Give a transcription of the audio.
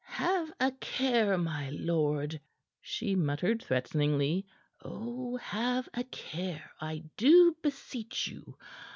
"Have a care, my lord!" she muttered threateningly. "Oh, have a care, I do beseech you.